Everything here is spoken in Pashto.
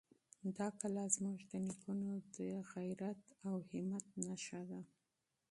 دا کلا زموږ د نېکونو د غیرت او همت نښه ده.